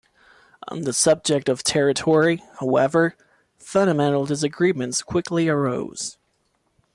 On the subject of territory, however, fundamental disagreements quickly arose.